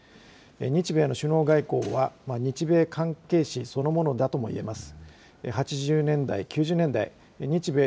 日米の首脳外交は、日米関係史そのものだともいえます。